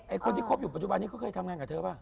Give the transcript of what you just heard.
ไอ้คนที่คบอยู่ปัจฉุบาลเคยทำงานกับเธอป่ะ